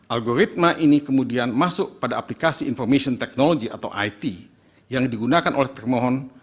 algoritma ini kemudian masuk pada aplikasi information technology atau it yang digunakan oleh termohon